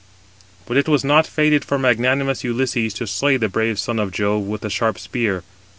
But it was not fated for magnanimous Ulysses to slay the brave son of Jove with the sharp spear.